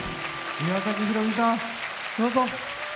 岩崎宏美さん、どうぞ。